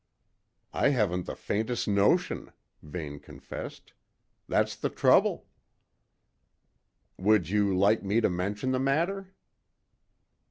"I haven't the faintest notion," Vane confessed. "That's the trouble." "Would you like me to mention the matter?"